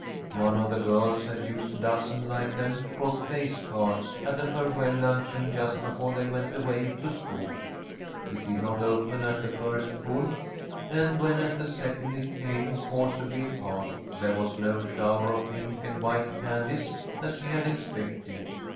One of the girls had used a dozen like them for place cards at a farewell luncheon just before they went away to school. It did not open at the first pull, and when, at the second, it came forcibly apart, there was no shower of pink and white candies, as she had expected.